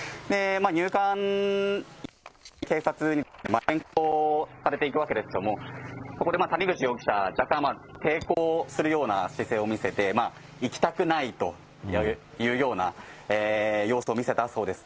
入管、警察に連行されていくわけですけれども、そこで谷口容疑者、若干抵抗するような姿勢を見せて、行きたくないというような様子を見せたそうです。